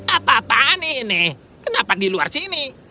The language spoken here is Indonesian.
apa apaan ini kenapa di luar sini